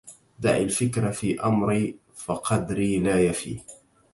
دع الفكر في أمري فقدري لا يفي